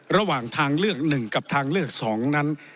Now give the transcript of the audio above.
ระหว่างทางเลือก๑กับทางเลือก๒นั้น